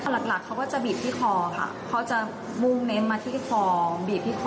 หลักเขาก็จะบีบที่คอค่ะเขาจะมุ่งเน้นมาที่คอบีบที่คอ